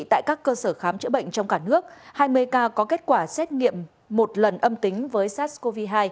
tại các cơ sở khám chữa bệnh trong cả nước hai mươi ca có kết quả xét nghiệm một lần âm tính với sars cov hai